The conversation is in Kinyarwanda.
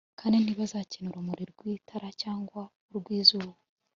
kandi ntibazakenera urumuri rw itara cyangwa urw izuba